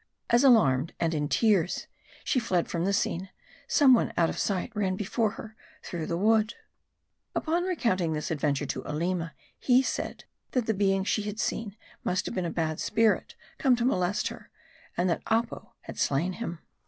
As alarmed, and in tears, she fled from the scene, some one out of sight ran before her through the wood. Upon recounting this adventure to Aleema, he said, that the being she had seen, must have been a bad spirit come to molest her ; and that Apo had slain him.